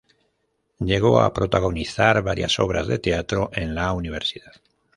Llegó a protagonizar varias obras de teatro en la universidad.